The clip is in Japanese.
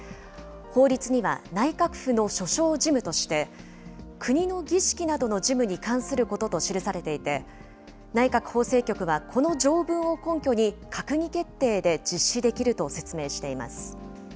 法律には、内閣府の所掌事務として、国の儀式などの事務に関することと記されていて、内閣法制局はこの条文を根拠に、閣議決定で実施できると説明しています。